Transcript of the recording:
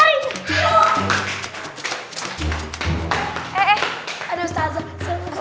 ini kita beli beli ya ustazah